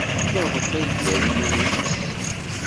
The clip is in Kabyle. Maɣef ay iger iman-nnes?